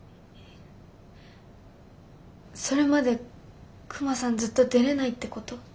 それまでクマさんずっと出れないってこと？